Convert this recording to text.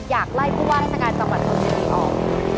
อยากไล่ผู้ว่าราชการจังหวัดชนบุรีออก